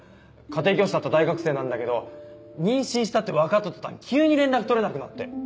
家庭教師だった大学生なんだけど妊娠したって分かった途端急に連絡取れなくなって。